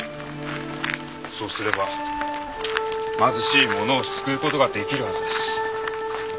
そうすれば貧しい者を救う事ができるはずです。